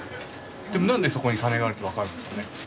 でも何でそこに金があるって分かるんでしょうね？